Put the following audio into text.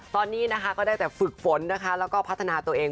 ตอนนี้นะคะก็ได้แต่ฝึกฝนนะคะแล้วก็พัฒนาตัวเอง